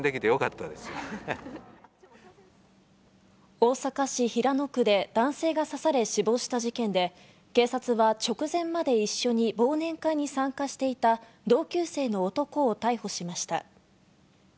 大阪市平野区で男性が刺され死亡した事件で、警察は直前まで一緒に忘年会に参加していた同級生の男を逮捕しました。